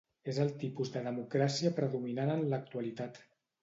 És el tipus de democràcia predominant en l'actualitat.